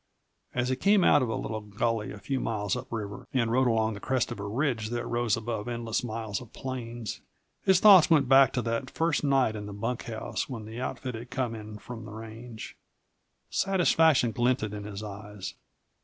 As he came out of a little gully a few miles up the river and rode along the crest of a ridge that rose above endless miles of plains, his thoughts went back to that first night in the bunkhouse when the outfit had come in from the range. Satisfaction glinted in his eyes.